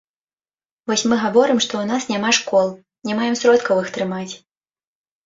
Вось мы гаворым, што ў нас няма школ, не маем сродкаў іх трымаць.